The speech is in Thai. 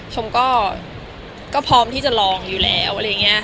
ชมก็พร้อมที่จะลองอยู่แล้ว